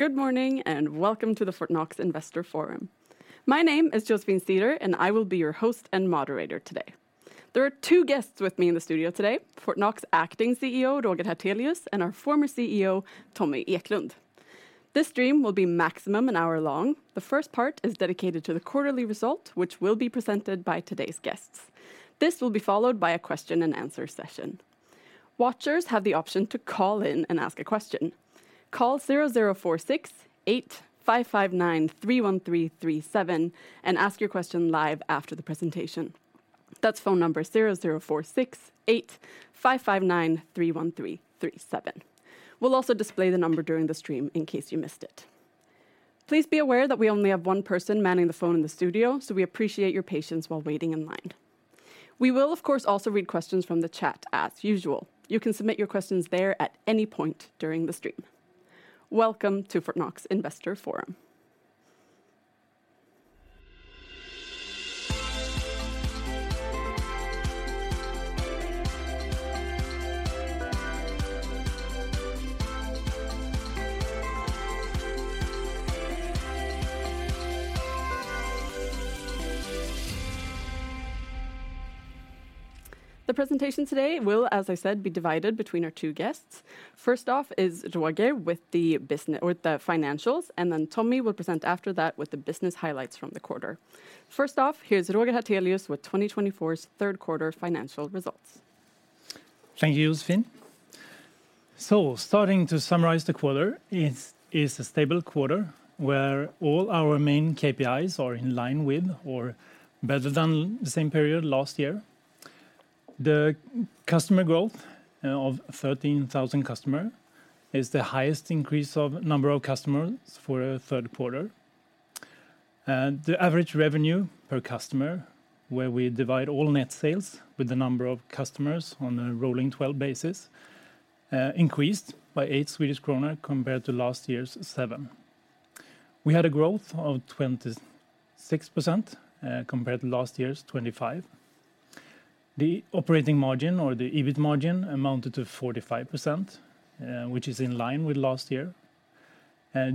Good morning, and welcome to the Fortnox Investor Forum. My name is Josefine Ceder, and I will be your host and moderator today. There are two guests with me in the studio today: Fortnox Acting CEO, Roger Hartelius, and our former CEO, Tommy Eklund. This stream will be maximum an hour long. The first part is dedicated to the quarterly result, which will be presented by today's guests. This will be followed by a question and answer session. Watchers have the option to call in and ask a question. Call zero four six, eight, five, five, nine, three, one, three, three, seven, and ask your question live after the presentation. That's phone number zero, four, six, eight, five, five, nine, three, one, three, three, seven. We'll also display the number during the stream in case you missed it. Please be aware that we only have one person manning the phone in the studio, so we appreciate your patience while waiting in line. We will, of course, also read questions from the chat as usual. You can submit your questions there at any point during the stream. Welcome to Fortnox Investor Forum. The presentation today will, as I said, be divided between our two guests. First off is Roger with the financials, and then Tommy will present after that with the business highlights from the quarter. First off, here's Roger Hartelius with 2024's third quarter financial results. Thank you, Josefine. So starting to summarize the quarter, it's a stable quarter, where all our main KPIs are in line with or better than the same period last year. The customer growth of 13,000 customers is the highest increase of number of customers for a third quarter. The average revenue per customer, where we divide all net sales with the number of customers on a rolling twelve basis, increased by 8 Swedish kronor compared to last year's 7. We had a growth of 26% compared to last year's 25%. The operating margin or the EBIT margin amounted to 45%, which is in line with last year.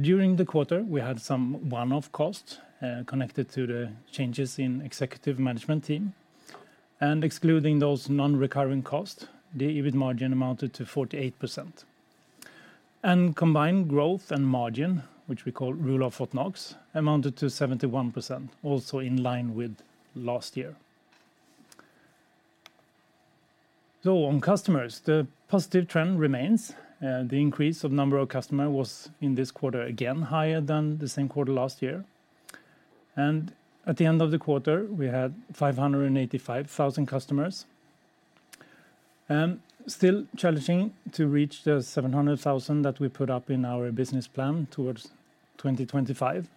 During the quarter, we had some one-off costs connected to the changes in executive management team. And excluding those non-recurring costs, the EBIT margin amounted to 48%. Combined growth and margin, which we call Rule of Fortnox, amounted to 71%, also in line with last year. On customers, the positive trend remains, the increase of number of customer was, in this quarter, again, higher than the same quarter last year. At the end of the quarter, we had 585,000 customers. Still challenging to reach the 700,000 that we put up in our business plan towards 2025.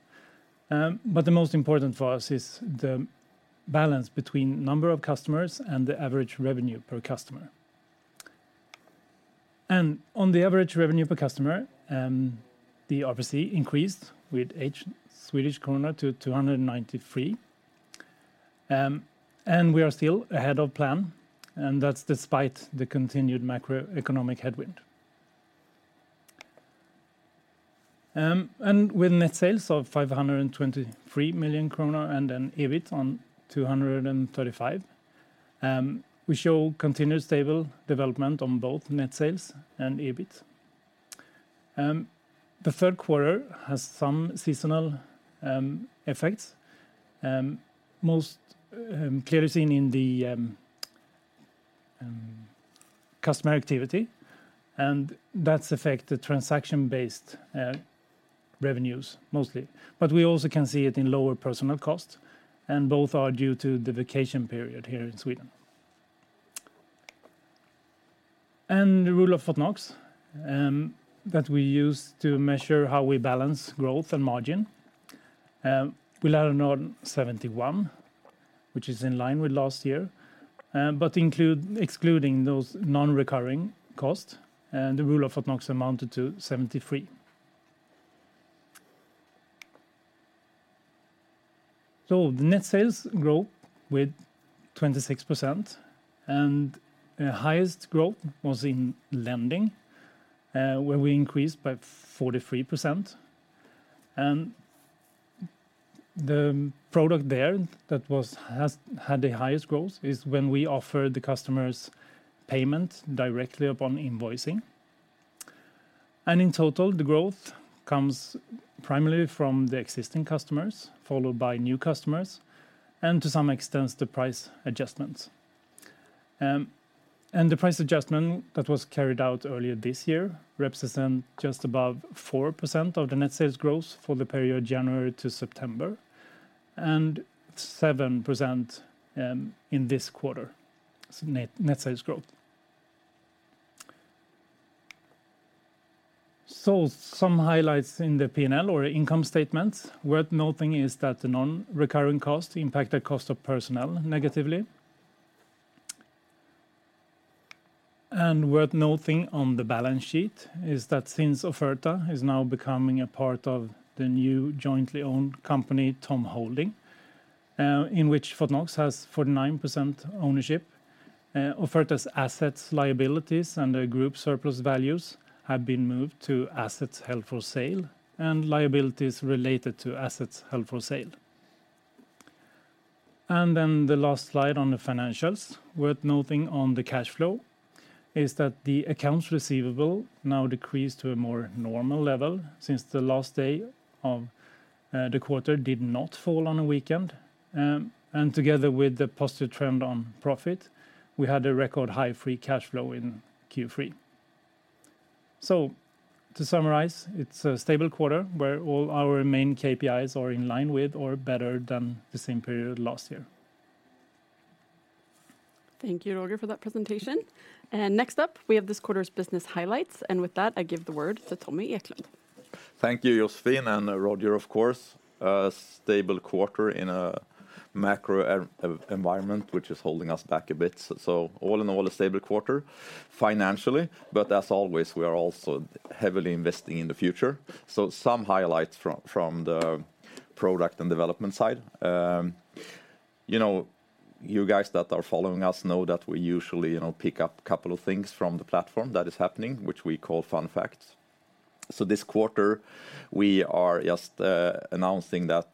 The most important for us is the balance between number of customers and the average revenue per customer. On the average revenue per customer, it obviously increased with 8 Swedish kronor to 293. We are still ahead of plan, and that's despite the continued macroeconomic headwind. And with net sales of 523 million kronor and an EBIT of 235 million, we show continued stable development on both net sales and EBIT. The third quarter has some seasonal effects, most clear to see in the customer activity, and that affects the transaction-based revenues, mostly. But we also can see it in lower personnel costs, and both are due to the vacation period here in Sweden. And the Rule of Fortnox that we use to measure how we balance growth and margin, we land on 71, which is in line with last year, but excluding those non-recurring costs, and the Rule of Fortnox amounted to 73. So the net sales grow with 26%, and the highest growth was in lending, where we increased by 43%. The product there has had the highest growth is when we offer the customers payment directly upon invoicing. And in total, the growth comes primarily from the existing customers, followed by new customers, and to some extent, the price adjustments. And the price adjustment that was carried out earlier this year represent just above 4% of the net sales growth for the period January to September, and 7% in this quarter, net sales growth. So some highlights in the P&L or income statements. Worth noting is that the non-recurring cost impacted cost of personnel negatively. And worth noting on the balance sheet is that since Offerta is now becoming a part of the new jointly owned company, Tom Holding, in which Fortnox has 49% ownership. Offerta's assets, liabilities, and the group surplus values have been moved to assets held for sale and liabilities related to assets held for sale. And then the last slide on the financials, worth noting on the cash flow, is that the accounts receivable now decrease to a more normal level since the last day of the quarter did not fall on a weekend. And together with the positive trend on profit, we had a record high free cash flow in Q3. So to summarize, it's a stable quarter where all our main KPIs are in line with or better than the same period last year. Thank you, Roger, for that presentation, and next up, we have this quarter's business highlights, and with that, I give the word to Tommy Eklund. Thank you, Josefine, and Roger, of course. A stable quarter in a macro environment, which is holding us back a bit. So all in all, a stable quarter financially, but as always, we are also heavily investing in the future. So some highlights from the product and development side. You know, you guys that are following us know that we usually, you know, pick up a couple of things from the platform that is happening, which we call fun facts. So this quarter, we are just announcing that,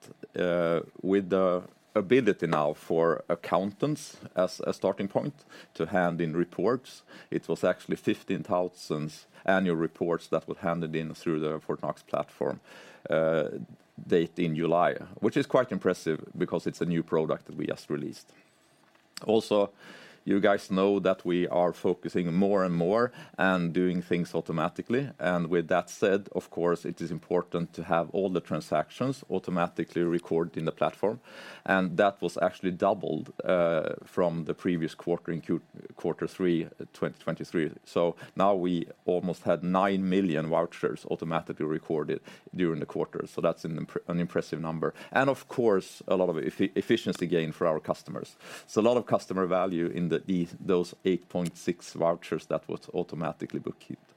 with the ability now for accountants as a starting point to hand in reports, it was actually 15,000 annual reports that were handed in through the Fortnox platform, dated in July, which is quite impressive because it's a new product that we just released. Also, you guys know that we are focusing more and more on doing things automatically, and with that said, of course, it is important to have all the transactions automatically recorded in the platform. And that was actually doubled from the previous quarter in quarter three, 2023. So now we almost had 9 million vouchers automatically recorded during the quarter. So that's an impressive number. And of course, a lot of efficiency gain for our customers. So a lot of customer value in those 8.6 million vouchers that was automatically bookkept.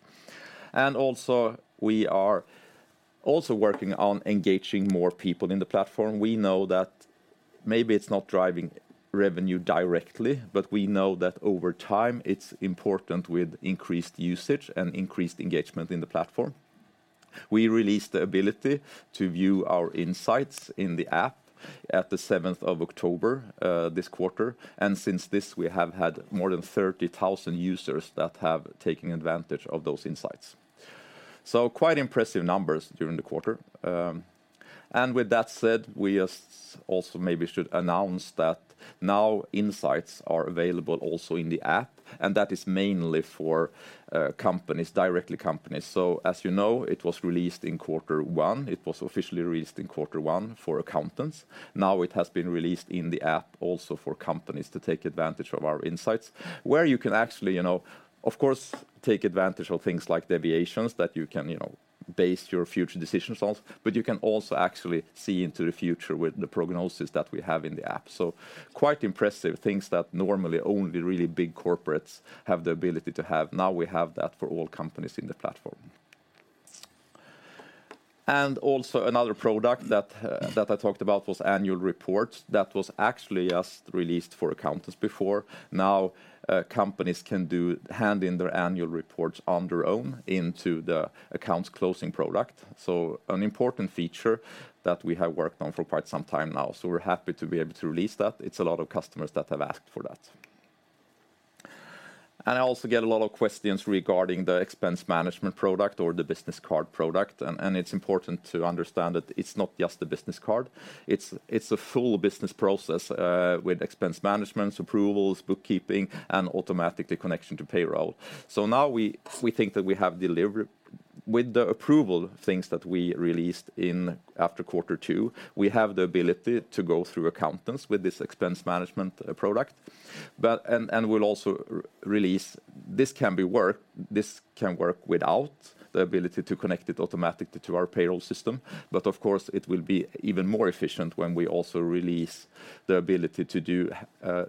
And also, we are also working on engaging more people in the platform. We know that maybe it's not driving revenue directly, but we know that over time it's important with increased usage and increased engagement in the platform. We released the ability to view our insights in the app at the seventh of October, this quarter. And since this, we have had more than thirty thousand users that have taken advantage of those insights. So quite impressive numbers during the quarter. And with that said, we just also maybe should announce that now insights are available also in the app, and that is mainly for companies, directly companies. So as you know, it was released in quarter one. It was officially released in quarter one for accountants. Now it has been released in the app also for companies to take advantage of our insights, where you can actually, you know, of course, take advantage of things like deviations that you can, you know, base your future decisions on, but you can also actually see into the future with the prognosis that we have in the app. So quite impressive things that normally only really big corporates have the ability to have. Now we have that for all companies in the platform. And also another product that, that I talked about was annual reports. That was actually just released for accountants before. Now, companies can do, hand in their annual reports on their own into the accounts closing product. So an important feature that we have worked on for quite some time now, so we're happy to be able to release that. It's a lot of customers that have asked for that. And I also get a lot of questions regarding the expense management product or the business card product, and it's important to understand that it's not just the business card, it's a full business process with expense management, approvals, bookkeeping, and automatically connection to payroll. So now we think that we have delivered with the approval things that we released in after quarter two. We have the ability to go through accountants with this expense management product. But and we'll also release. This can work without the ability to connect it automatically to our payroll system. But of course, it will be even more efficient when we also release the ability to do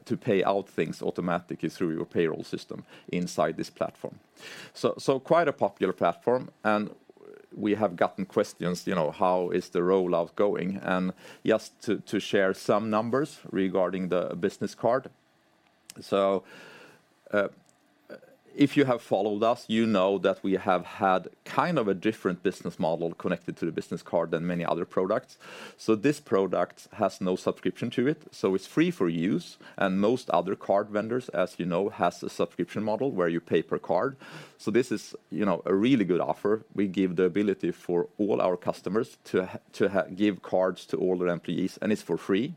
to pay out things automatically through your payroll system inside this platform. So quite a popular platform, and we have gotten questions, you know, how is the rollout going? And just to share some numbers regarding the business card. So if you have followed us, you know that we have had kind of a different business model connected to the business card than many other products. So this product has no subscription to it, so it's free for use, and most other card vendors, as you know, has a subscription model where you pay per card. So this is, you know, a really good offer. We give the ability for all our customers to give cards to all their employees, and it's for free,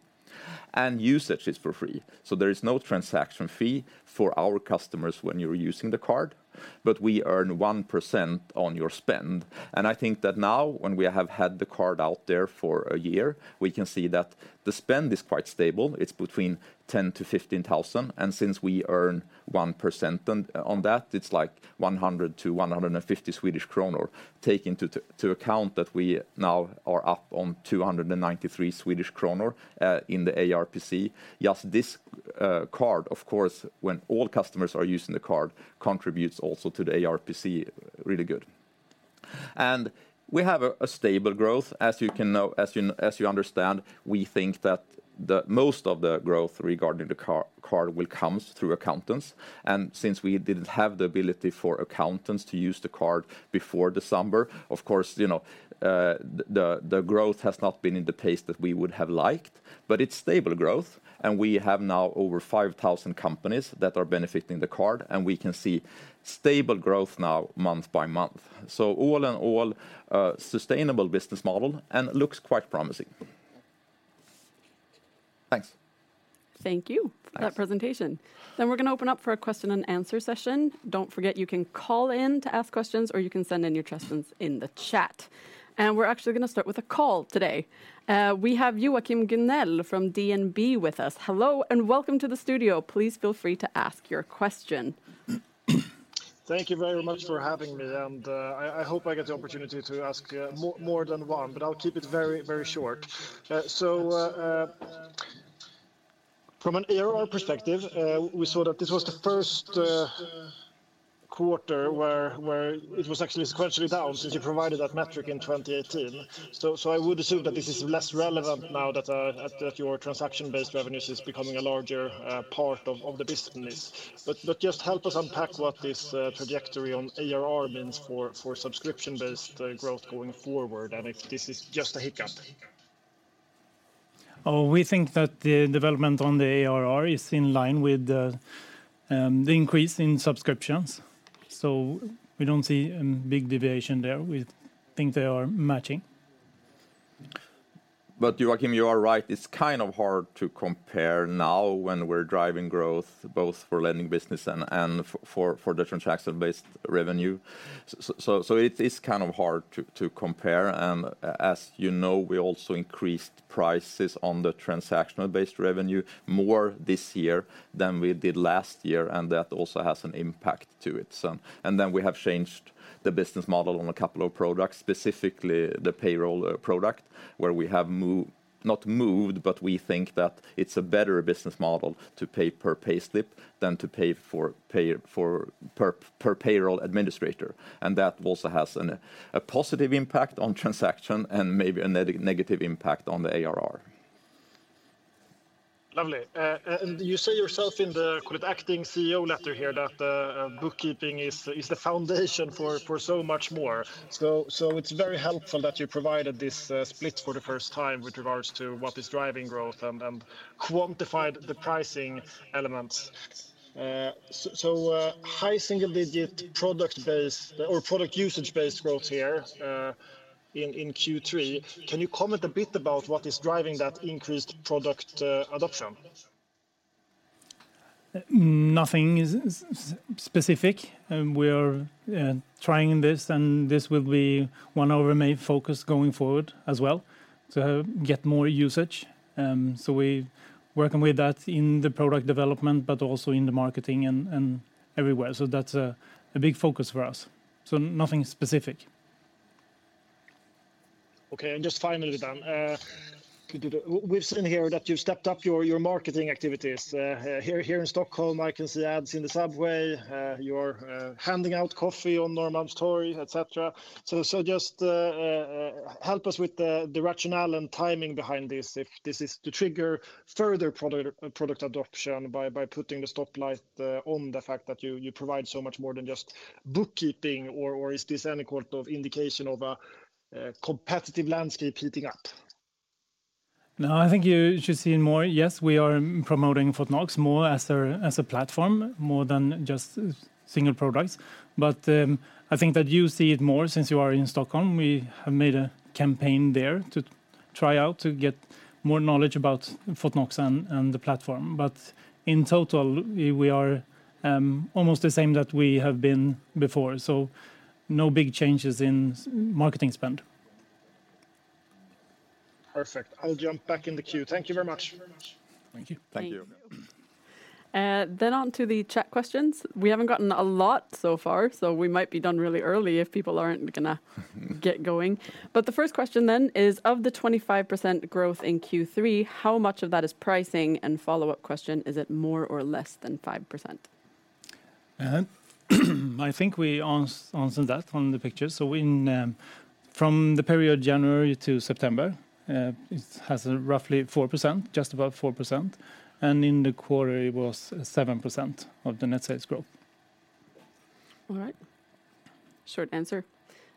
and usage is for free. So there is no transaction fee for our customers when you're using the card, but we earn 1% on your spend. I think that now, when we have had the card out there for a year, we can see that the spend is quite stable. It's between 10-15 thousand, and since we earn 1% on that, it's like 100-150 Swedish kronor, or taking to account that we now are up on 293 Swedish kronor in the ARPC. Just this card, of course, when all customers are using the card, contributes also to the ARPC really good. We have a stable growth, as you understand, we think that the most of the growth regarding the card will comes through accountants. And since we didn't have the ability for accountants to use the card before December, of course, you know, the growth has not been in the pace that we would have liked, but it's stable growth, and we have now over 5,000 companies that are benefiting the card, and we can see stable growth now month by month. So all in all, a sustainable business model, and it looks quite promising. Thanks. Thank you. Thanks For that presentation, then we're gonna open up for a question and answer session. Don't forget, you can call in to ask questions, or you can send in your questions in the chat, and we're actually gonna start with a call today. We have Joachim Gunell from DNB with us. Hello, and welcome to the studio. Please feel free to ask your question. Thank you very much for having me, and I hope I get the opportunity to ask more than one, but I'll keep it very, very short. So, from an ARR perspective, we saw that this was the first quarter where it was actually sequentially down since you provided that metric in 2018. So I would assume that this is less relevant now that that your transaction-based revenues is becoming a larger part of the business. But just help us unpack what this trajectory on ARR means for subscription-based growth going forward, and if this is just a hiccup? Oh, we think that the development on the ARR is in line with the increase in subscriptions, so we don't see a big deviation there. We think they are matching. But Joachim, you are right. It's kind of hard to compare now when we're driving growth, both for lending business and for the transaction-based revenue. So it is kind of hard to compare, and as you know, we also increased prices on the transaction-based revenue more this year than we did last year, and that also has an impact to it. So, and then we have changed the business model on a couple of products, specifically the payroll product, where we have moved. Not moved, but we think that it's a better business model to pay per payslip than to pay for per payroll administrator, and that also has a positive impact on transaction and maybe a negative impact on the ARR. Lovely. And you say yourself in the, call it, acting CEO letter here, that the bookkeeping is the foundation for so much more. So it's very helpful that you provided this split for the first time with regards to what is driving growth and quantified the pricing elements. So high single-digit product-based or product usage-based growth here in Q3, can you comment a bit about what is driving that increased product adoption? Nothing specific, and we're trying this, and this will be one of our main focus going forward as well, to get more usage. So we're working with that in the product development but also in the marketing and everywhere. So that's a big focus for us, so nothing specific. Okay, and just finally then, could you. We've seen here that you've stepped up your marketing activities. Here in Stockholm, I can see ads in the subway, you're handing out coffee on Norrmalmstorg, et cetera. So just help us with the rationale and timing behind this, if this is to trigger further product adoption by putting the spotlight on the fact that you provide so much more than just bookkeeping, or is this any indication of a competitive landscape heating up? No, I think you should see more. Yes, we are promoting Fortnox more as a platform, more than just single products. But, I think that you see it more since you are in Stockholm. We have made a campaign there to try out, to get more knowledge about Fortnox and the platform. But in total, we are almost the same that we have been before, so no big changes in marketing spend. Perfect. I'll jump back in the queue. Thank you very much. Thank you. Thank you. Thank you. Then on to the chat questions. We haven't gotten a lot so far, so we might be done really early if people aren't going to get going. But the first question then is, "Of the 25% growth in Q3, how much of that is pricing?" And follow-up question: "Is it more or less than 5%? I think we answered that from the picture, so from the period January to September, it has a roughly 4%, just above 4%, and in the quarter, it was 7% of the net sales growth. All right. Short answer.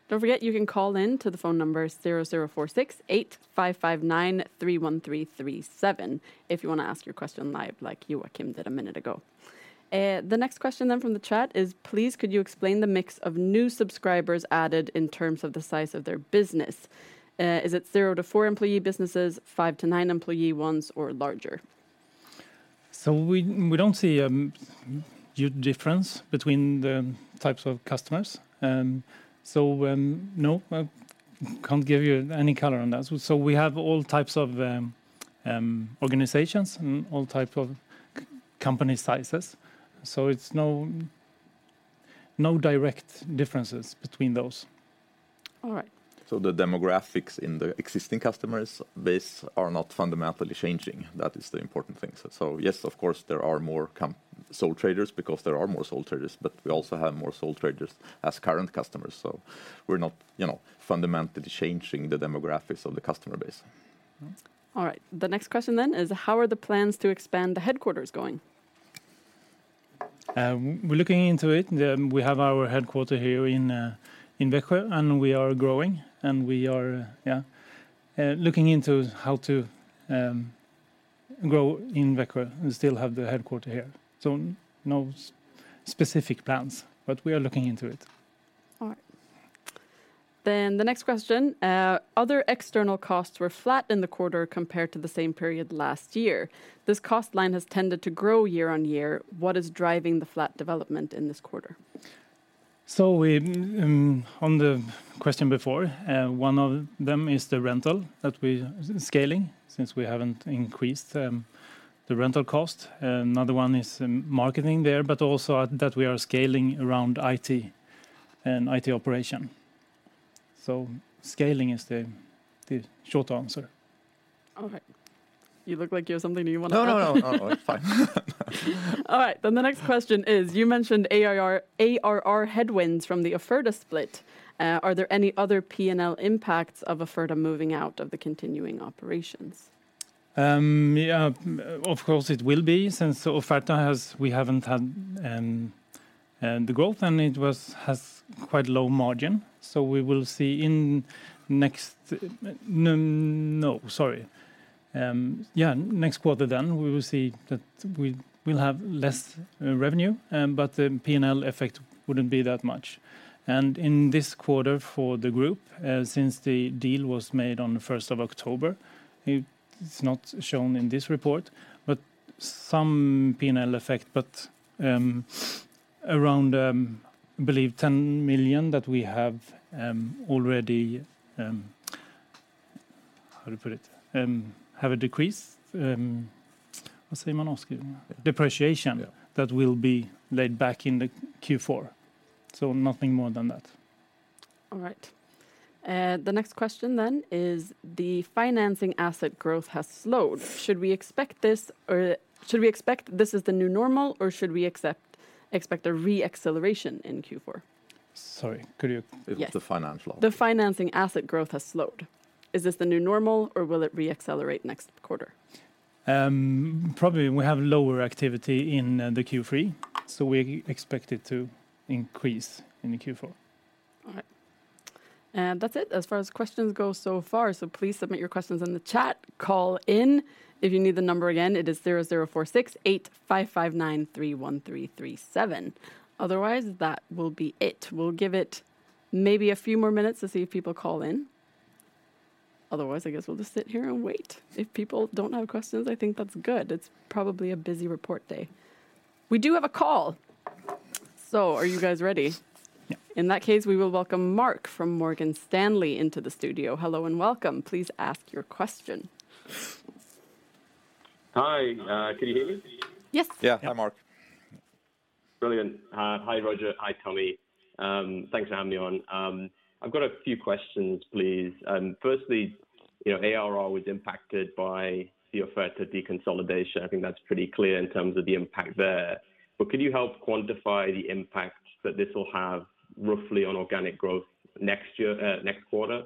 Don't forget, you can call in to the phone number 0046855931337 if you wanna ask your question live, like Joachim did a minute ago. The next question then from the chat is, "Please, could you explain the mix of new subscribers added in terms of the size of their business? Uh, is it zero to four employee businesses, five to nine employee ones, or larger? So we don't see a huge difference between the types of customers. So, no, I can't give you any color on that. So we have all types of organizations and all type of company sizes, so it's no direct differences between those. All right. The demographics in the existing customer base are not fundamentally changing, that is the important thing. So, so yes, of course, there are more sole traders because there are more sole traders, but we also have more sole traders as current customers. So we're not, you know, fundamentally changing the demographics of the customer base. All right. The next question then is: How are the plans to expand the headquarters going? We're looking into it. We have our headquarters here in Växjö, and we are growing, and we are looking into how to grow in Växjö and still have the headquarters here. So no specific plans, but we are looking into it. All right. Then the next question: Other external costs were flat in the quarter compared to the same period last year. This cost line has tended to grow year on year. What is driving the flat development in this quarter? So we, on the question before, one of them is the rental that we scaling, since we haven't increased the rental cost. Another one is marketing there, but also that we are scaling around IT and IT operation. So scaling is the short answer. All right. You look like you have something you want to add. No, no, no, it's fine. All right, then the next question is: You mentioned ARR headwinds from the Offerta split. Are there any other P&L impacts of Offerta moving out of the continuing operations? Yeah, of course, it will be, since Offerta has... We haven't had the growth, and it has quite low margin. So we will see next quarter then, we will see that we will have less revenue, but the P&L effect wouldn't be that much. And in this quarter for the group, since the deal was made on the 1st of October, it's not shown in this report, but some P&L effect. But around, I believe, 10 million that we have already. How to put it? Have a decrease, depreciation that will be laid back in the Q4, so nothing more than that. All right. The next question then is: The financing asset growth has slowed. Should we expect this or should we expect this is the new normal, or should we expect a re-acceleration in Q4? Sorry, could you- The financial. The financing asset growth has slowed. Is this the new normal, or will it re-accelerate next quarter? Probably we have lower activity in the Q3, so we expect it to increase in the Q4. All right. And that's it as far as questions go so far. So please submit your questions in the chat, call in. If you need the number again, it is 0046855931337. Otherwise, that will be it. We'll give it maybe a few more minutes to see if people call in. Otherwise, I guess we'll just sit here and wait. If people don't have questions, I think that's good. It's probably a busy report day. We do have a call! So are you guys ready? Yeah. In that case, we will welcome Mark from Morgan Stanley into the studio. Hello and welcome. Please ask your question. Hi, can you hear me? Yes. Yeah. Hi, Mark. Brilliant. Hi, Roger. Hi, Tommy. Thanks, everyone. I've got a few questions, please. Firstly, you know, ARR was impacted by the Offerta deconsolidation. I think that's pretty clear in terms of the impact there. But could you help quantify the impact that this will have roughly on organic growth next year, next quarter?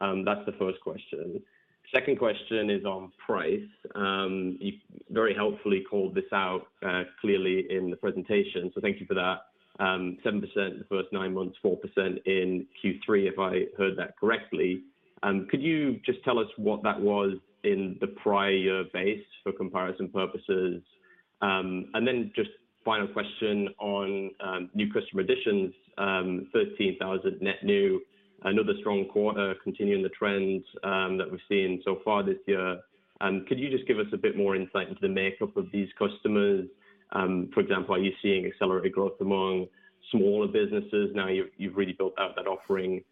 That's the first question. Second question is on price. You very helpfully called this out, clearly in the presentation, so thank you for that. 7% in the first nine months, 4% in Q3, if I heard that correctly. Could you just tell us what that was in the prior year base for comparison purposes? And then just final question on new customer additions, thirteen thousand net new. Another strong quarter continuing the trends that we've seen so far this year. Could you just give us a bit more insight into the makeup of these customers? For example, are you seeing accelerated growth among smaller businesses now you've really built out that offering,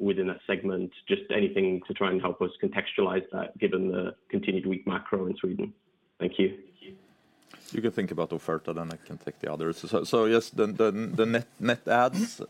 within that segment? Just anything to try and help us contextualize that, given the continued weak macro in Sweden. Thank you. You can think about Offerta, then I can take the others. So yes, the net adds,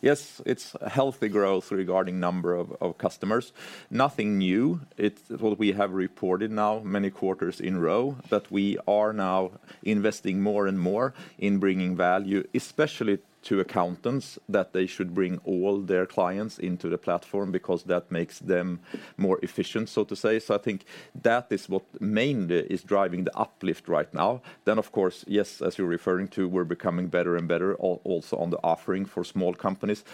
yes, it's a healthy growth regarding number of customers. Nothing new. It's what we have reported now many quarters in a row, that we are now investing more and more in bringing value, especially to accountants, that they should bring all their clients into the platform because that makes them more efficient, so to say. So I think that is what mainly is driving the uplift right now. Then, of course, yes, as you're referring to, we're becoming better and better also on the offering for small companies,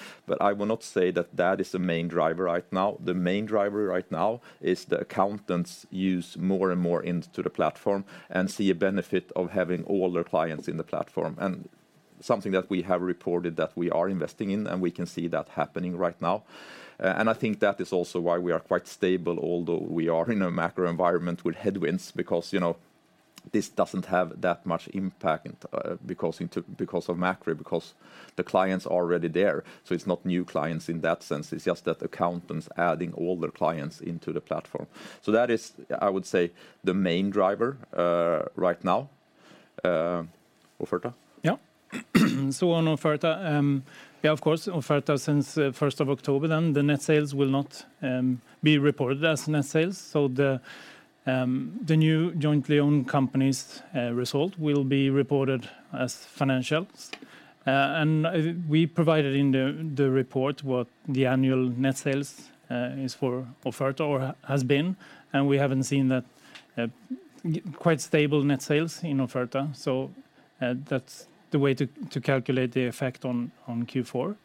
but I will not say that that is the main driver right now. The main driver right now is the accountants use more and more into the platform and see a benefit of having all their clients in the platform, and something that we have reported that we are investing in, and we can see that happening right now. And I think that is also why we are quite stable, although we are in a macro environment with headwinds, because, you know, this doesn't have that much impact, because of macro, because the clients are already there. So it's not new clients in that sense. It's just that accountants adding all their clients into the platform. So that is, I would say, the main driver, right now. Offerta? Yeah. So on Offerta, yeah, of course, Offerta since first of October, then the net sales will not be reported as net sales. So the new jointly owned company's result will be reported as financials. And we provided in the report what the annual net sales is for Offerta or has been, and we haven't seen that quite stable net sales in Offerta. So that's the way to calculate the effect on Q4.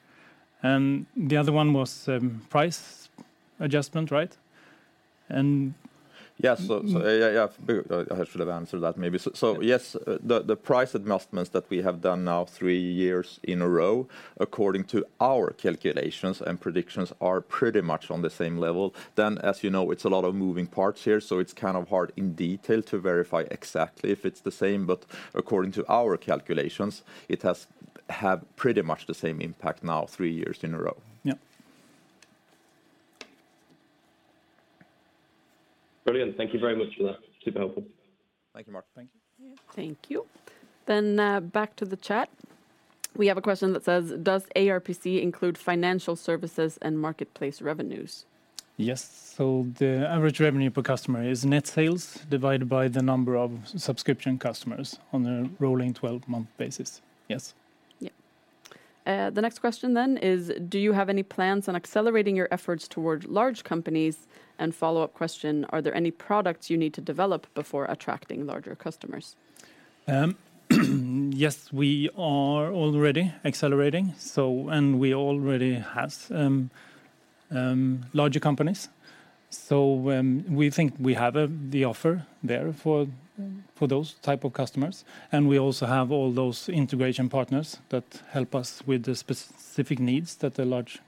And the other one was price adjustment, right? And- Yes, so yeah, I should have answered that, maybe. Yeah. Yes, the price adjustments that we have done now three years in a row, according to our calculations and predictions, are pretty much on the same level. As you know, it's a lot of moving parts here, so it's kind of hard in detail to verify exactly if it's the same, but according to our calculations, it has had pretty much the same impact now three years in a row. Yeah. Brilliant. Thank you very much for that. Super helpful. Thank you, Mark. Thank you. Thank you. Then, back to the chat, we have a question that says, "Does ARPC include financial services and marketplace revenues? Yes, so the average revenue per customer is net sales divided by the number of subscription customers on a rolling 12-month basis. Yes. Yeah. The next question then is, "Do you have any plans on accelerating your efforts toward large companies?" And follow-up question: "Are there any products you need to develop before attracting larger customers? Yes, we are already accelerating, so and we already have larger companies. So, we think we have the offer there for those type of customers, and we also have all those integration partners that help us with the specific needs that a large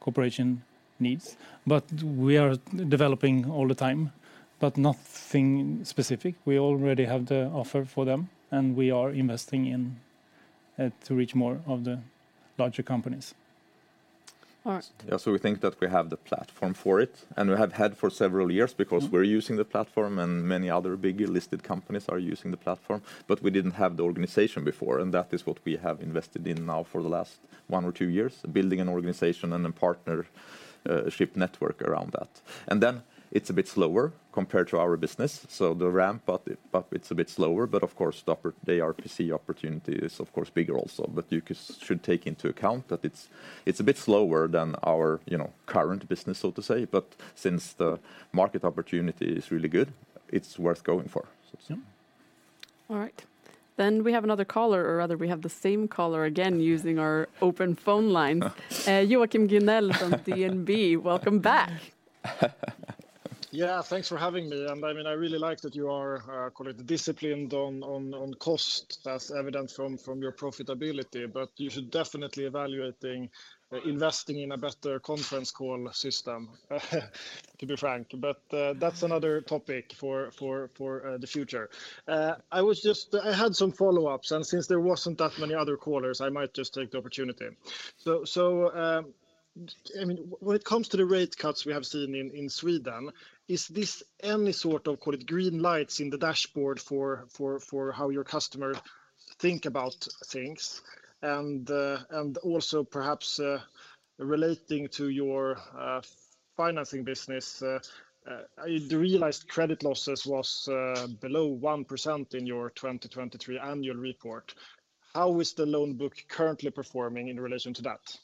corporation needs. But we are developing all the time, but nothing specific. We already have the offer for them, and we are investing in to reach more of the larger companies. All right. Yeah, so we think that we have the platform for it, and we have had for several years. Mm... because we're using the platform, and many other big listed companies are using the platform. But we didn't have the organization before, and that is what we have invested in now for the last one or two years, building an organization and a partnership network around that. And then it's a bit slower compared to our business, so the ramp up, it's a bit slower. But of course, the ARPC opportunity is, of course, bigger also. But you should take into account that it's a bit slower than our, you know, current business, so to say, but since the market opportunity is really good, it's worth going for, so yeah. All right. Then we have another caller, or rather, we have the same caller again using our open phone line. Joachim Gunell from DNB, welcome back. Yeah, thanks for having me. And, I mean, I really like that you are call it disciplined on cost. That's evident from your profitability, but you should definitely evaluating investing in a better conference call system, to be frank. But, that's another topic for the future. I was just... I had some follow-ups, and since there wasn't that many other callers, I might just take the opportunity. So, I mean, when it comes to the rate cuts we have seen in Sweden, is this any sort of call it green lights in the dashboard for how your customers think about things? And also perhaps relating to your financing business, the realized credit losses was below 1% in your 2023 annual report. How is the loan book currently performing in relation to that?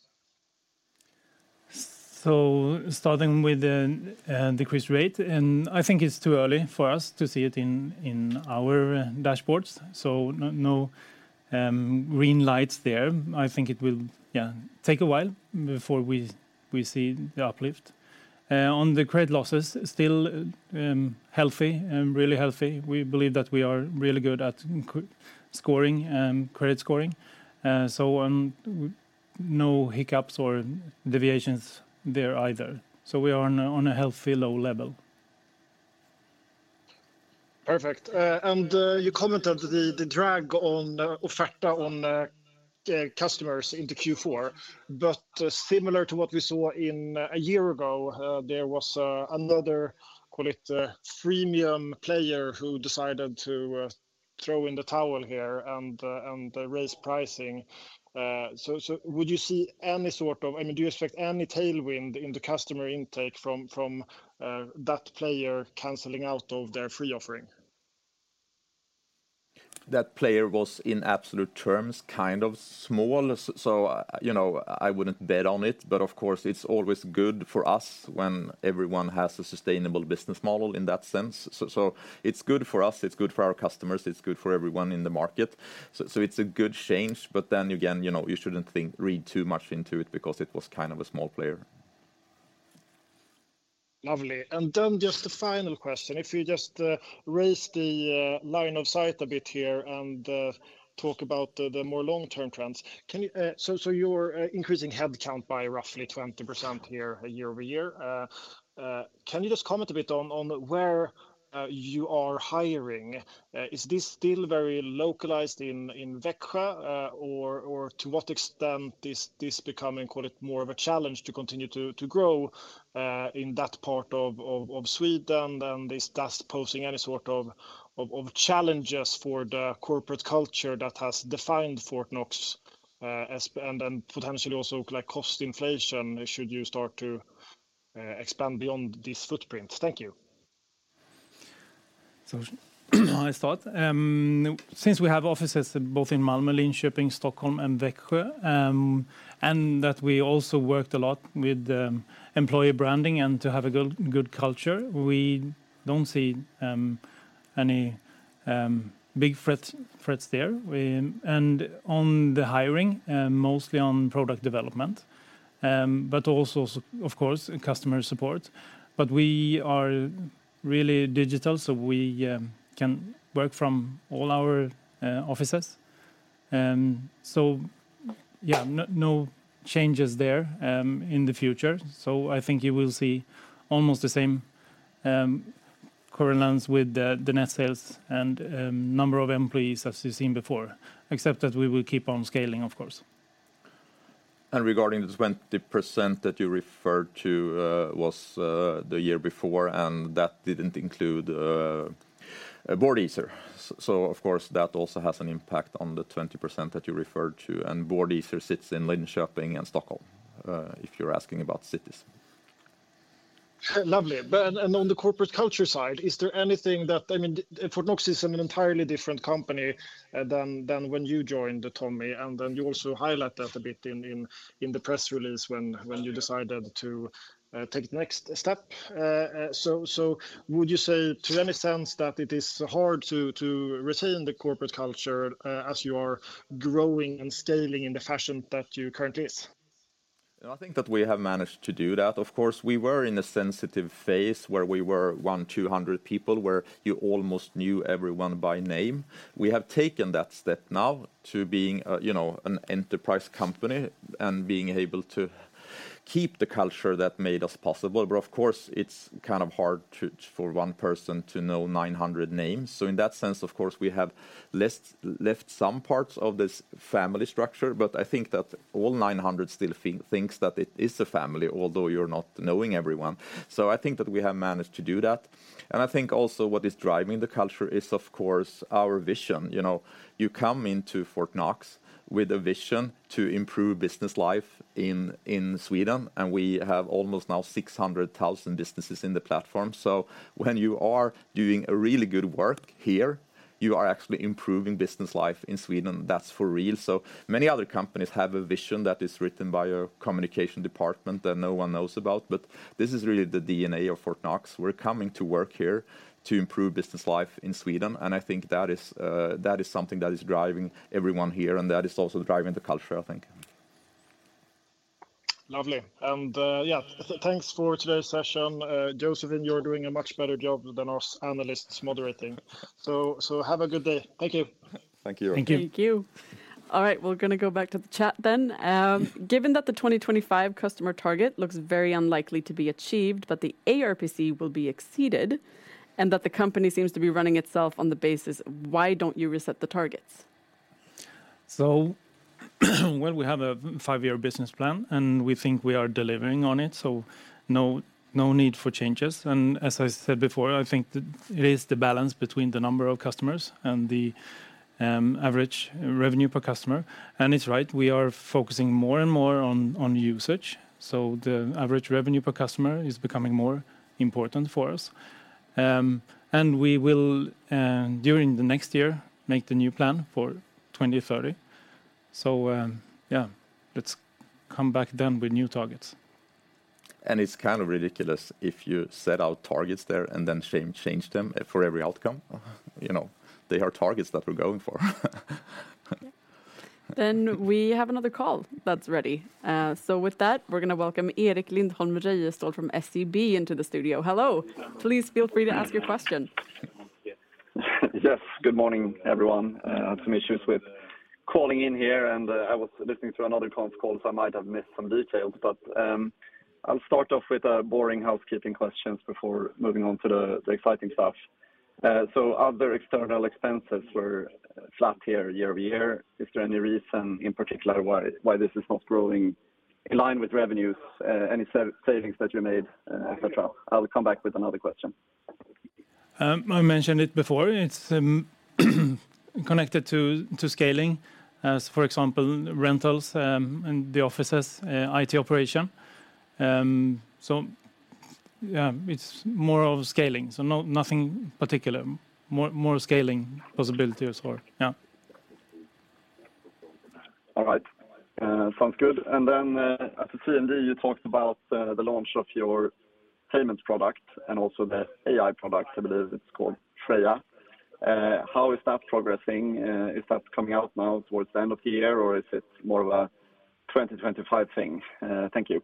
So, starting with the decreased rate, and I think it's too early for us to see it in our dashboards, so no green lights there. I think it will take a while before we see the uplift. On the credit losses, still healthy, really healthy. We believe that we are really good at credit scoring, so no hiccups or deviations there either. So we are on a healthy, low level. Perfect. And you commented on the drag on Offerta on customers into Q4. But similar to what we saw in a year ago, there was another, call it, freemium player who decided to throw in the towel here and raise pricing. So would you see any sort of... I mean, do you expect any tailwind in the customer intake from that player canceling out of their free offering? That player was, in absolute terms, kind of small. So, you know, I wouldn't bet on it, but of course, it's always good for us when everyone has a sustainable business model in that sense. So, it's good for us, it's good for our customers, it's good for everyone in the market. So, it's a good change, but then again, you know, you shouldn't read too much into it, because it was kind of a small player. Lovely. And then just a final question. If you just raise the line of sight a bit here and talk about the more long-term trends. Can you. So, you're increasing headcount by roughly 20% here, year-over-year. Can you just comment a bit on where you are hiring? Is this still very localized in Växjö, or to what extent this becoming, call it, more of a challenge to continue to grow in that part of Sweden? And is thus posing any sort of challenges for the corporate culture that has defined Fortnox as... And then potentially also, like, cost inflation, should you start to expand beyond this footprint? Thank you. ... I start. Since we have offices both in Malmö, Linköping, Stockholm, and Växjö, and that we also worked a lot with employee branding and to have a good culture, we don't see any big threats there. And on the hiring, mostly on product development, but also of course, customer support. But we are really digital, so we can work from all our offices. So yeah, no changes there in the future. So I think you will see almost the same correlations with the net sales and number of employees as you've seen before, except that we will keep on scaling, of course. Regarding this 20% that you referred to, was the year before, and that didn't include Boardeaser. So of course, that also has an impact on the 20% that you referred to, and Boardeaser sits in Linköping and Stockholm, if you're asking about cities. Lovely. But on the corporate culture side, is there anything that... I mean, Fortnox is an entirely different company than when you joined, Tommy, and then you also highlight that a bit in the press release when- Yeah... when you decided to take the next step. So would you say to any sense that it is hard to retain the corporate culture as you are growing and scaling in the fashion that you currently is? I think that we have managed to do that. Of course, we were in a sensitive phase where we were 1,200 people, where you almost knew everyone by name. We have taken that step now to being a, you know, an enterprise company and being able to keep the culture that made us possible. But of course, it's kind of hard to, for one person to know 900 names. So in that sense, of course, we have less left some parts of this family structure, but I think that all 900 still think, thinks that it is a family, although you're not knowing everyone. So I think that we have managed to do that, and I think also what is driving the culture is, of course, our vision. You know, you come into Fortnox with a vision to improve business life in Sweden, and we have almost now 600,000 businesses in the platform. So when you are doing a really good work here, you are actually improving business life in Sweden. That's for real. So many other companies have a vision that is written by a communication department that no one knows about, but this is really the DNA of Fortnox. We're coming to work here to improve business life in Sweden, and I think that is something that is driving everyone here, and that is also driving the culture, I think. Lovely. And, yeah, thanks for today's session. Josefine, you're doing a much better job than us analysts moderating. So, have a good day. Thank you. Thank you. Thank you. Thank you. All right, we're gonna go back to the chat then. "Given that the 2025 customer target looks very unlikely to be achieved, but the ARPC will be exceeded, and that the company seems to be running itself on the basis, why don't you reset the targets? Well, we have a five-year business plan, and we think we are delivering on it, so no, no need for changes. And as I said before, I think that it is the balance between the number of customers and the average revenue per customer. And it's right, we are focusing more and more on usage, so the average revenue per customer is becoming more important for us. And we will during the next year make the new plan for 2030. So, yeah, let's come back then with new targets. It's kind of ridiculous if you set out targets there and then change them for every outcome. You know, they are targets that we're going for. Then we have another call that's ready. So with that, we're gonna welcome Erik Lindholm-Röjestål from SEB into the studio. Hello. Hello. Please feel free to ask your question. Yes, good morning, everyone. Some issues with calling in here, and, I was listening to another conference call, so I might have missed some details. But, I'll start off with boring housekeeping questions before moving on to the exciting stuff. So other external expenses were flat here year over year. Is there any reason, in particular, why this is not growing in line with revenues, any savings that you made, et cetera? I will come back with another question. I mentioned it before, it's connected to scaling, as for example, rentals and the offices IT operation. So, yeah, it's more of scaling, nothing particular. More scaling possibility as well. Yeah. All right. Sounds good. And then, at the CMD, you talked about the launch of your payments product and also the AI product. I believe it's called Treya. How is that progressing? Is that coming out now towards the end of the year, or is it more of a 2025 thing? Thank you.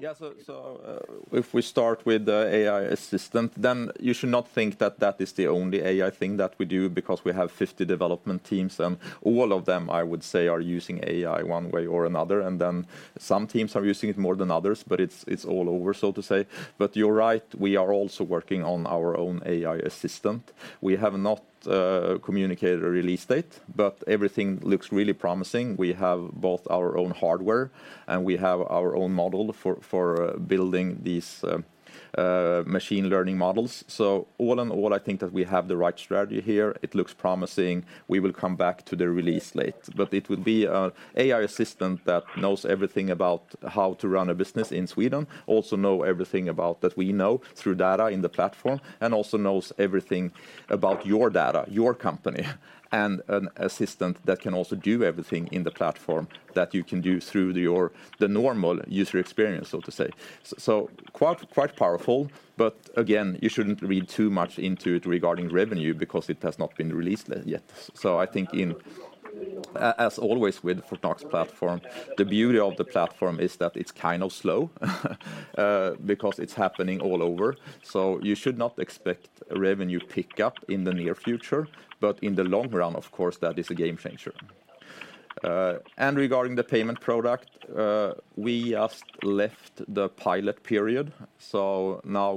Yeah, so, if we start with the AI assistant, then you should not think that that is the only AI thing that we do, because we have 50 development teams, and all of them, I would say, are using AI one way or another, and then some teams are using it more than others, but it's all over, so to say. But you're right, we are also working on our own AI assistant. We have not communicated a release date, but everything looks really promising. We have both our own hardware, and we have our own model for building these machine learning models. So all in all, I think that we have the right strategy here. It looks promising. We will come back to the release date. But it would be an AI assistant that knows everything about how to run a business in Sweden, also know everything about that we know through data in the platform, and also knows everything about your data, your company, and an assistant that can also do everything in the platform that you can do through the your... the normal user experience, so to say. So, so quite, quite powerful, but again, you shouldn't read too much into it regarding revenue, because it has not been released yet. So I think, as always, with Fortnox platform, the beauty of the platform is that it's kind of slow, because it's happening all over, so you should not expect a revenue pickup in the near future. But in the long run, of course, that is a game changer. And regarding the payment product, we just left the pilot period, so now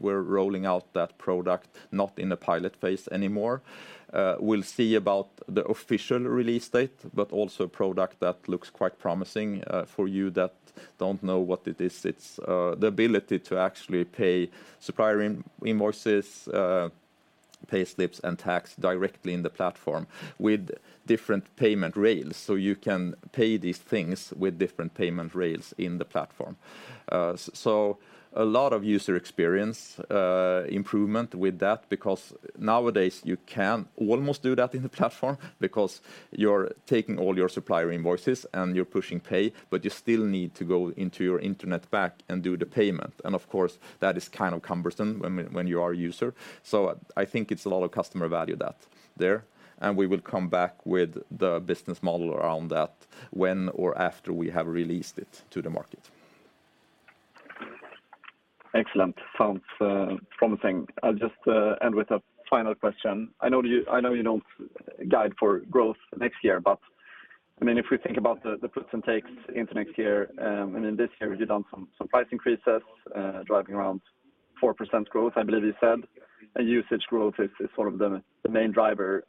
we're rolling out that product, not in a pilot phase anymore. We'll see about the official release date, but also a product that looks quite promising. For you that don't know what it is, it's the ability to actually pay supplier invoices, payslips and tax directly in the platform with different payment rails. So you can pay these things with different payment rails in the platform. So a lot of user experience improvement with that, because nowadays you can almost do that in the platform because you're taking all your supplier invoices, and you're pushing pay, but you still need to go into your internet bank and do the payment. And of course, that is kind of cumbersome when you are a user. So I think it's a lot of customer value that there, and we will come back with the business model around that when or after we have released it to the market. Excellent. Sounds promising. I'll just end with a final question. I know you don't guide for growth next year, but I mean, if we think about the puts and takes into next year, I mean, this year you've done some price increases driving around 4% growth, I believe you said, and usage growth is one of the main driver.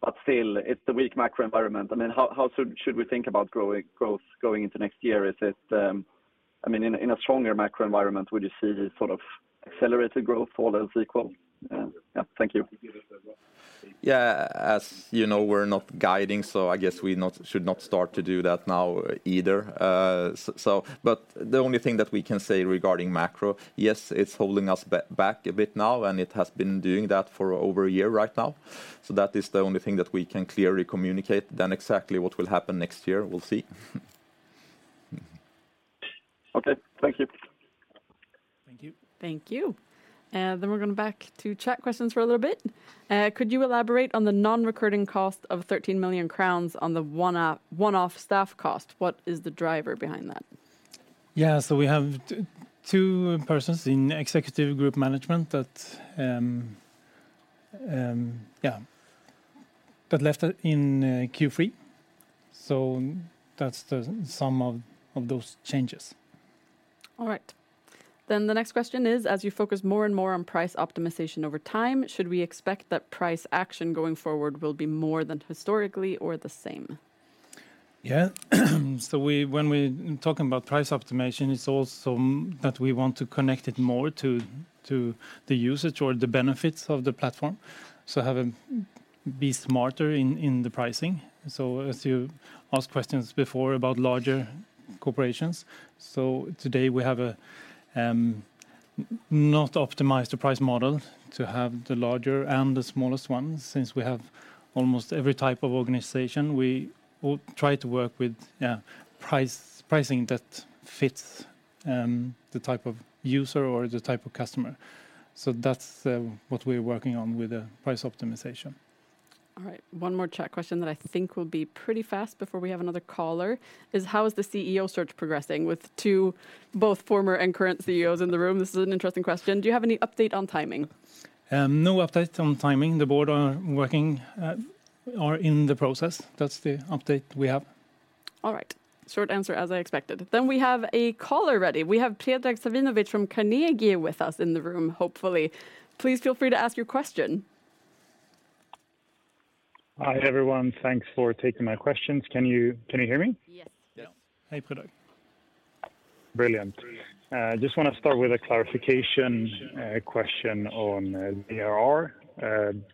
But still, it's a weak macro environment. I mean, how should we think about growth going into next year? Is it... I mean, in a stronger macro environment, would you see this sort of accelerated growth all else equal? Yeah. Thank you. Yeah. As you know, we're not guiding, so I guess we should not start to do that now either. So, but the only thing that we can say regarding macro, yes, it's holding us back a bit now, and it has been doing that for over a year right now. So that is the only thing that we can clearly communicate, then exactly what will happen next year, we'll see. Okay. Thank you. Thank you. Thank you. Then we're going back to chat questions for a little bit. Could you elaborate on the non-recurring cost of 13 million crowns on the one-off staff cost? What is the driver behind that? Yeah. So we have two persons in executive group management that left in Q3. So that's the sum of those changes. All right. Then the next question is, as you focus more and more on price optimization over time, should we expect that price action going forward will be more than historically or the same? Yeah. When we're talking about price optimization, it's also that we want to connect it more to the usage or the benefits of the platform, so be smarter in the pricing. As you asked questions before about larger corporations, today we have a not optimized the price model to have the larger and the smallest ones. Since we have almost every type of organization, we will try to work with pricing that fits the type of user or the type of customer. That's what we're working on with the price optimization. All right. One more chat question that I think will be pretty fast before we have another caller, is: How is the CEO search progressing with two, both former and current CEOs in the room? This is an interesting question. Do you have any update on timing? No update on timing. The board are working, are in the process. That's the update we have. All right. Short answer, as I expected. Then we have a caller ready. We have Predrag Savinovic from Carnegie with us in the room, hopefully. Please feel free to ask your question. Hi, everyone. Thanks for taking my questions. Can you hear me? Yes. Yes. Hey, Predrag. Brilliant. Just wanna start with a clarification question on ARR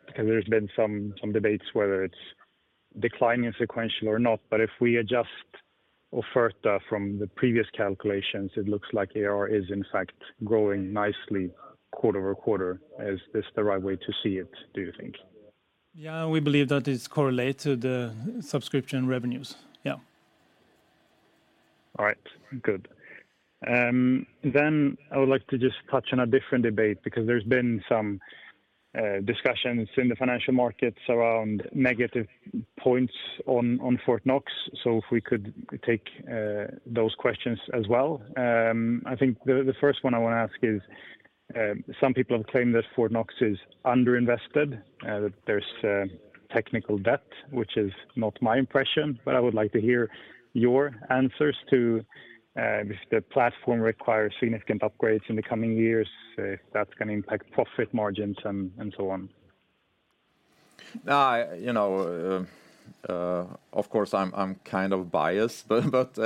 because there's been some debate whether it's declining sequential or not, but if we adjust Offerta from the previous calculations, it looks like ARR is in fact growing nicely quarter over quarter. Is this the right way to see it, do you think? Yeah, we believe that it's correlated to subscription revenues. Yeah. All right. Good. Then I would like to just touch on a different debate, because there's been some discussions in the financial markets around negative points on, on Fortnox. So if we could take those questions as well. I think the first one I wanna ask is, some people have claimed that Fortnox is underinvested, that there's technical debt, which is not my impression, but I would like to hear your answers to, if the platform requires significant upgrades in the coming years, if that's gonna impact profit margins and so on. You know, of course, I'm kind of biased, but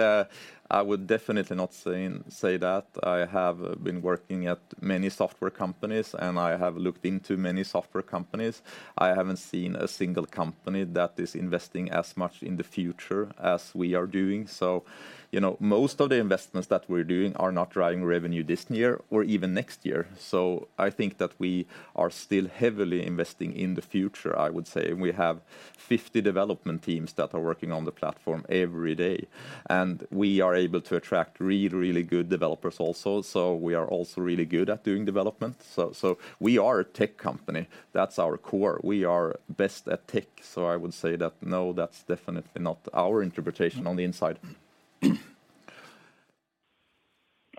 I would definitely not say that. I have been working at many software companies, and I have looked into many software companies. I haven't seen a single company that is investing as much in the future as we are doing. So, you know, most of the investments that we're doing are not driving revenue this year or even next year. So I think that we are still heavily investing in the future, I would say. We have 50 development teams that are working on the platform every day, and we are able to attract really, really good developers also. So we are also really good at doing development. We are a tech company. That's our core. We are best at tech, so I would say that, no, that's definitely not our interpretation on the inside....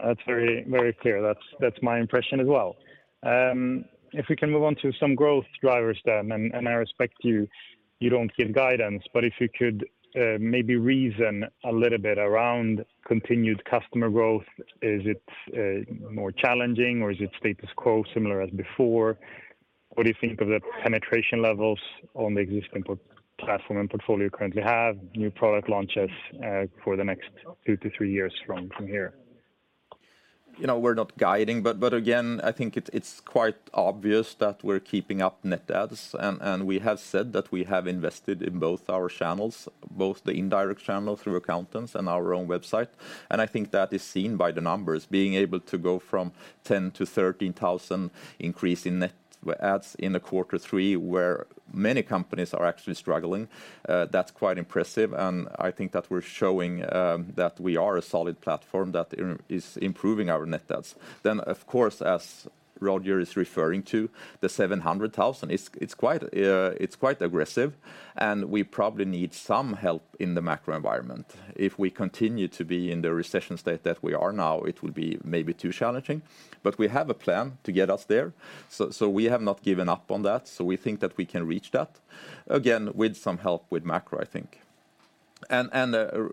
That's very, very clear. That's, that's my impression as well. If we can move on to some growth drivers then, and I respect you, you don't give guidance, but if you could, maybe reason a little bit around continued customer growth. Is it more challenging, or is it status quo, similar as before? What do you think of the penetration levels on the existing platform and portfolio you currently have, new product launches, for the next two to three years from here? You know, we're not guiding, but, but again, I think it's, it's quite obvious that we're keeping up net adds, and, and we have said that we have invested in both our channels, both the indirect channel through accountants and our own website, and I think that is seen by the numbers. Being able to go from 10 to 13,000 increase in net adds in the quarter three, where many companies are actually struggling, that's quite impressive, and I think that we're showing that we are a solid platform that is improving our net adds. Then, of course, as Roger is referring to, the 700,000, it's, it's quite, it's quite aggressive, and we probably need some help in the macro environment. If we continue to be in the recession state that we are now, it will be maybe too challenging, but we have a plan to get us there. So we have not given up on that, so we think that we can reach that, again, with some help with macro, I think. And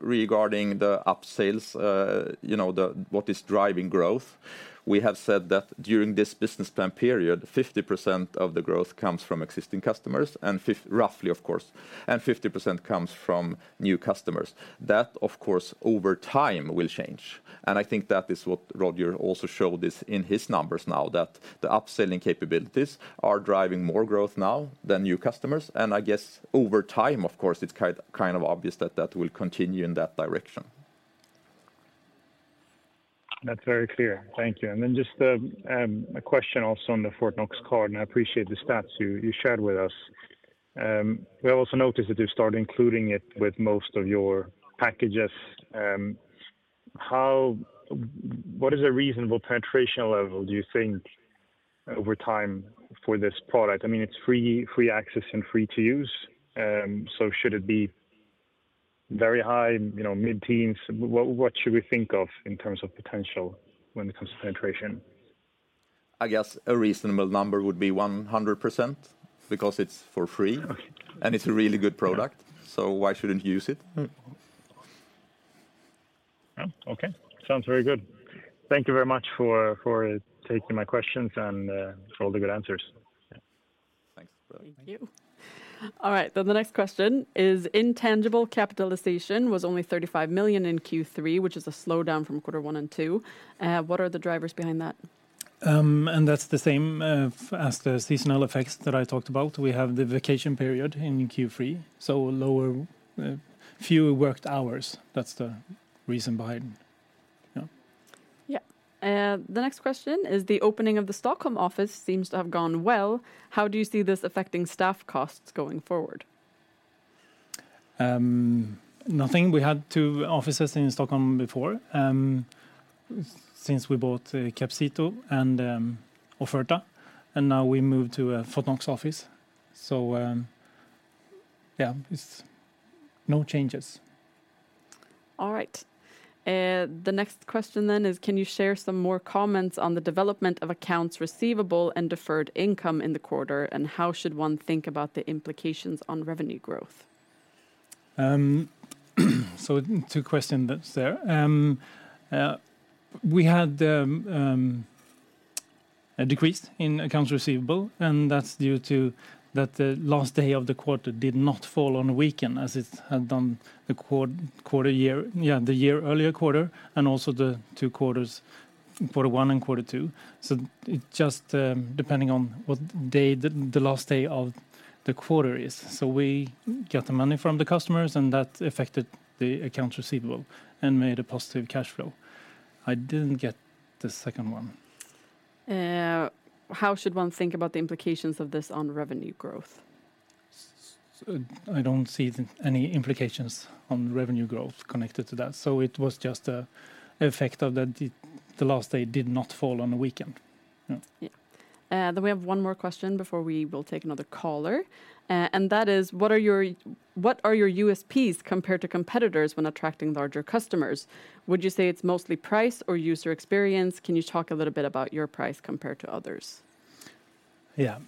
regarding the up-sales, you know, the... what is driving growth, we have said that during this business plan period, 50% of the growth comes from existing customers, and roughly, of course, and 50% comes from new customers. That, of course, over time, will change, and I think that is what Roger also showed this in his numbers now, that the upselling capabilities are driving more growth now than new customers, and I guess over time, of course, it's kind of obvious that that will continue in that direction. That's very clear. Thank you, and then just a question also on the Fortnox Card, and I appreciate the stats you shared with us. We also noticed that you started including it with most of your packages. What is a reasonable penetration level, do you think, over time for this product? I mean, it's free, free access and free to use, so should it be very high, you know, mid-teens? What should we think of in terms of potential when it comes to penetration? I guess a reasonable number would be 100%, because it's for free- Okay... and it's a really good product, so why shouldn't you use it? Mm. Yeah, okay. Sounds very good. Thank you very much for taking my questions and for all the good answers. Yeah. Thanks. Thank you. All right, then the next question is: intangible capitalization was only 35 million in Q3, which is a slowdown from quarter one and two. What are the drivers behind that? And that's the same as the seasonal effects that I talked about. We have the vacation period in Q3, so lower, fewer worked hours. That's the reason behind, yeah. Yeah, the next question is: the opening of the Stockholm office seems to have gone well. How do you see this affecting staff costs going forward? Nothing. We had two offices in Stockholm before, since we bought Capcito and Offerta, and now we moved to a Fortnox office. So, yeah, it's no changes. All right. The next question then is: can you share some more comments on the development of accounts receivable and deferred income in the quarter, and how should one think about the implications on revenue growth? So, two questions there. We had a decrease in Accounts Receivable, and that's due to that the last day of the quarter did not fall on a weekend, as it had done the quarter year earlier quarter, and also the two quarters, quarter one and quarter two. So it just depends on what day the last day of the quarter is. So we get the money from the customers, and that affected the Accounts Receivable and made a positive cash flow. I didn't get the second one. How should one think about the implications of this on revenue growth? I don't see any implications on revenue growth connected to that, so it was just an effect of that the last day did not fall on a weekend. Yeah. Yeah. Then we have one more question before we will take another caller, and that is: what are your, what are your USPs compared to competitors when attracting larger customers? Would you say it's mostly price or user experience? Can you talk a little bit about your price compared to others? Yeah.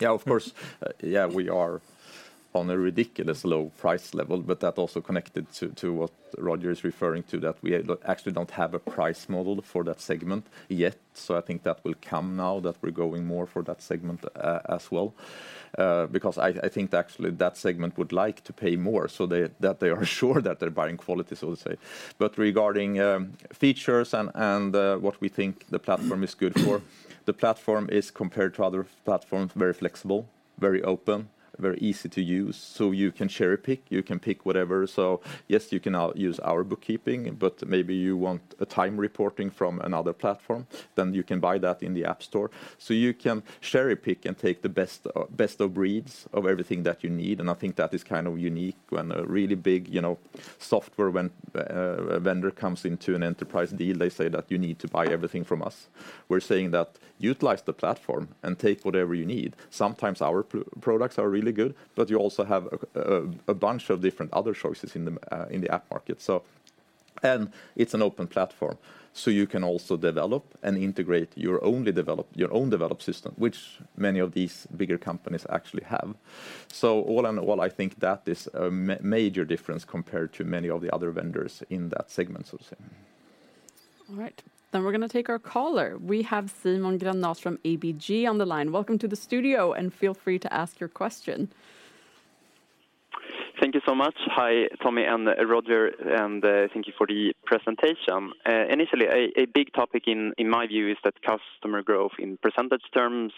Yeah, of course. Yeah, we are on a ridiculous low price level, but that also connected to what Roger is referring to, that we actually don't have a price model for that segment yet. So I think that will come now that we're going more for that segment as well. Because I think that actually that segment would like to pay more, so that they are sure that they're buying quality, so to say. But regarding features and what we think the platform is good for, the platform is, compared to other platforms, very flexible, very open, very easy to use. So you can cherry-pick. You can pick whatever. So yes, you can now use our bookkeeping, but maybe you want a time reporting from another platform, then you can buy that in the App Store. So you can cherry-pick and take the best of breeds of everything that you need, and I think that is kind of unique. When a really big, you know, software vendor comes into an enterprise deal, they say that you need to buy everything from us. We're saying that utilize the platform and take whatever you need. Sometimes our products are really good, but you also have a bunch of different other choices in the app market. And it's an open platform, so you can also develop and integrate your own developed system, which many of these bigger companies actually have. So all in all, I think that is a major difference compared to many of the other vendors in that segment, so to say. All right, then we're gonna take our caller. We have Simon Granath from ABG on the line. Welcome to the studio, and feel free to ask your question. Thank you so much. Hi, Tommy and Roger, and thank you for the presentation. Initially, a big topic in my view is that customer growth in percentage terms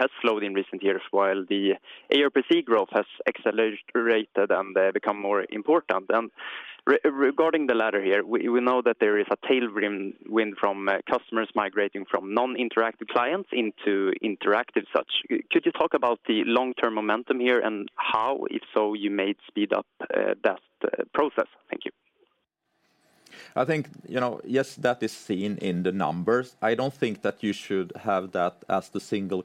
has slowed in recent years, while the ARPC growth has accelerated and become more important. Regarding the latter here, we know that there is a tailwind from customers migrating from non-interactive clients into interactive such. Could you talk about the long-term momentum here, and how, if so, you may speed up that process? Thank you. I think, you know, yes, that is seen in the numbers. I don't think that you should have that as the single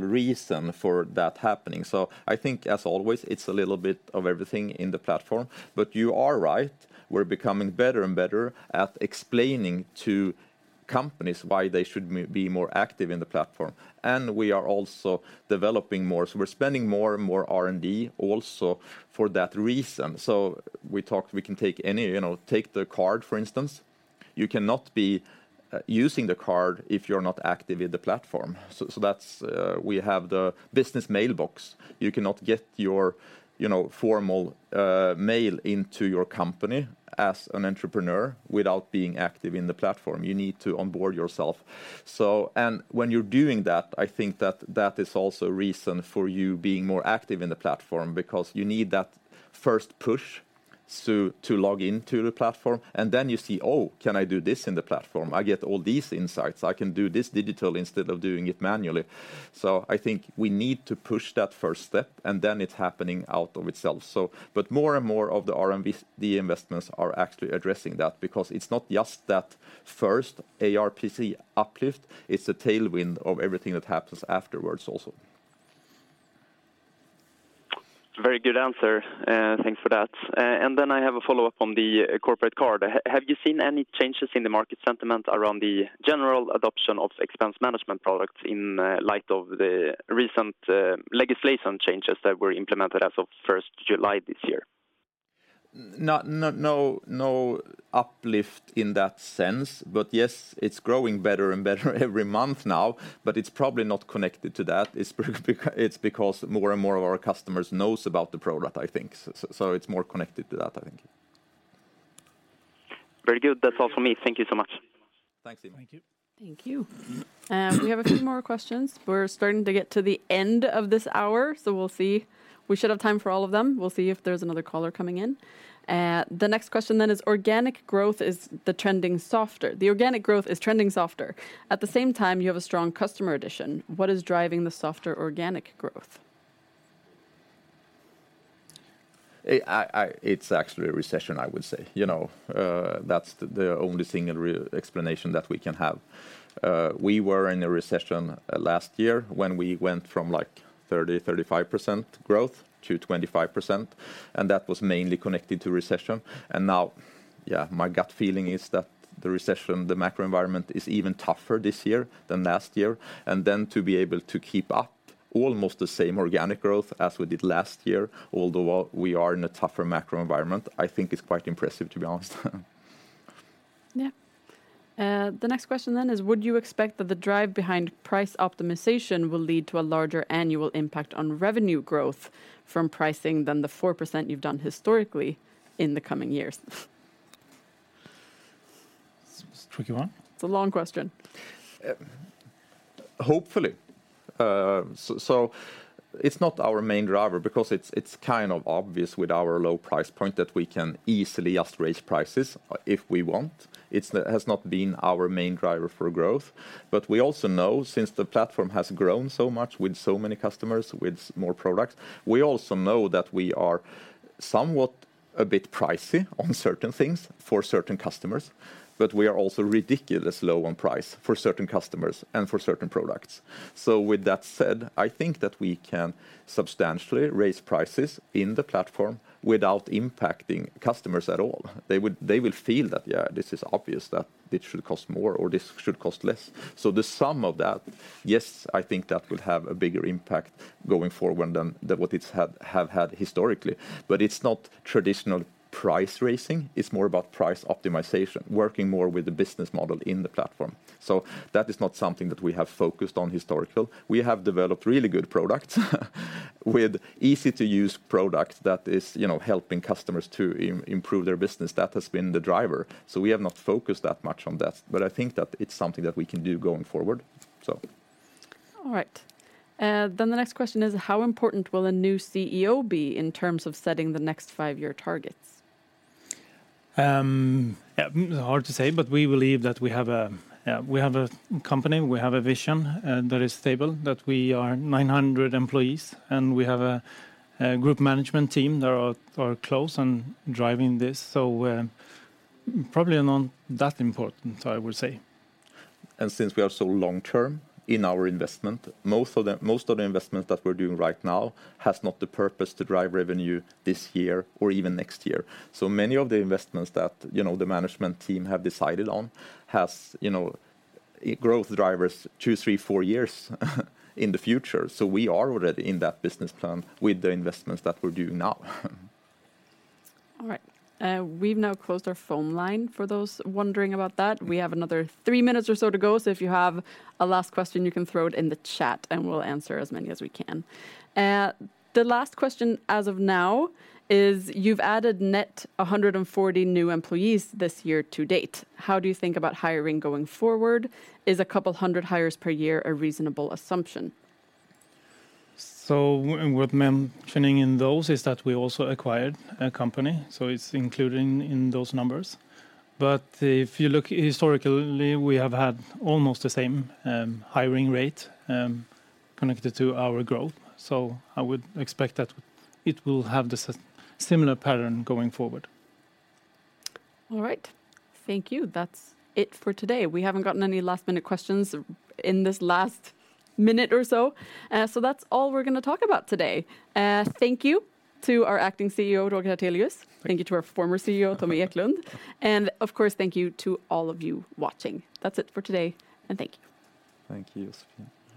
reason for that happening. So I think, as always, it's a little bit of everything in the platform, but you are right. We're becoming better and better at explaining to companies why they should be more active in the platform, and we are also developing more. So we're spending more and more R&D also for that reason. We can take any... You know, take the card, for instance. You cannot be using the card if you're not active in the platform. So that's, we have the business mailbox. You cannot get your, you know, formal mail into your company as an entrepreneur without being active in the platform. You need to onboard yourself. So and when you're doing that, I think that that is also a reason for you being more active in the platform, because you need that first push, so to log into the platform, and then you see, "Oh, can I do this in the platform? I get all these insights. I can do this digital instead of doing it manually." So I think we need to push that first step, and then it's happening out of itself. So but more and more of the R&D investments are actually addressing that, because it's not just that first ARPC uplift, it's the tailwind of everything that happens afterwards also. Very good answer, thanks for that. And then I have a follow-up on the corporate card. Have you seen any changes in the market sentiment around the general adoption of expense management products in light of the recent legislation changes that were implemented as of 1st July this year? No, no, no uplift in that sense, but yes, it's growing better and better every month now, but it's probably not connected to that. It's because more and more of our customers know about the product, I think. So it's more connected to that, I think. Very good. That's all for me. Thank you so much. Thanks, Simon. Thank you. Thank you. We have a few more questions. We're starting to get to the end of this hour, so we'll see. We should have time for all of them. We'll see if there's another caller coming in. The next question then is: The organic growth is trending softer. At the same time, you have a strong customer addition. What is driving the softer organic growth? It's actually a recession, I would say. You know, that's the only single real explanation that we can have. We were in a recession last year when we went from like 30%-35% growth to 25%, and that was mainly connected to recession. And now, yeah, my gut feeling is that the recession, the macro environment, is even tougher this year than last year, and then to be able to keep up almost the same organic growth as we did last year, although we are in a tougher macro environment, I think it's quite impressive, to be honest. Yeah. The next question then is: would you expect that the drive behind price optimization will lead to a larger annual impact on revenue growth from pricing than the 4% you've done historically in the coming years? It's a tricky one. It's a long question. Hopefully. So it's not our main driver because it's kind of obvious with our low price point that we can easily just raise prices if we want. It's has not been our main driver for growth. But we also know, since the platform has grown so much with so many customers, with more products, we also know that we are somewhat a bit pricey on certain things for certain customers, but we are also ridiculously low on price for certain customers and for certain products. So with that said, I think that we can substantially raise prices in the platform without impacting customers at all. They would - they will feel that, yeah, this is obvious, that this should cost more or this should cost less. The sum of that, yes, I think that will have a bigger impact going forward than what it's had historically. But it's not traditional price raising, it's more about price optimization, working more with the business model in the platform. That is not something that we have focused on historically. We have developed really good products with easy-to-use products that is, you know, helping customers to improve their business. That has been the driver, so we have not focused that much on that, but I think that it's something that we can do going forward, so. All right. Then the next question is: how important will a new CEO be in terms of setting the next five-year targets? Yeah, hard to say, but we believe that we have a, we have a company, we have a vision, that is stable, that we are 900 employees, and we have a group management team that are close and driving this, so, probably not that important, I would say. Since we are so long term in our investment, most of the, most of the investments that we're doing right now has not the purpose to drive revenue this year or even next year. Many of the investments that, you know, the management team have decided on has, you know, growth drivers two, three, four years in the future. We are already in that business plan with the investments that we're doing now. All right, we've now closed our phone line for those wondering about that. We have another three minutes or so to go, so if you have a last question, you can throw it in the chat, and we'll answer as many as we can. The last question as of now is: you've added net 140 new employees this year to date. How do you think about hiring going forward? Is a couple hundred hires per year a reasonable assumption? So, with mentioning in those is that we also acquired a company, so it's including in those numbers. But if you look historically, we have had almost the same hiring rate connected to our growth, so I would expect that it will have the similar pattern going forward. All right. Thank you. That's it for today. We haven't gotten any last-minute questions in this last minute or so, so that's all we're gonna talk about today. Thank you to our Acting CEO, Roger Hartelius. Thank you. Thank you to our former CEO, Tommy Eklund, and of course, thank you to all of you watching. That's it for today, and thank you. Thank you, Josefine.